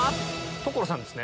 所さんですね。